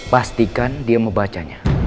pastikan dia mau bacanya